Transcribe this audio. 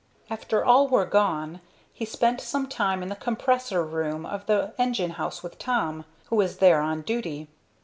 After all were gone he spent some time in the "compressor room" of the engine house with Tom, who was there on duty.